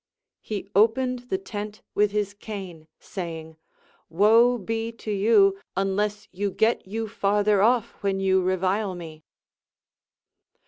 He opened the tent Avitli his cane, saying : Woe be to you, unless you get you farther off when you revile me.